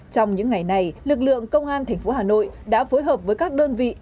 trong những ngày này lực lượng công an thành phố hà nội đã phối hợp với các đơn vị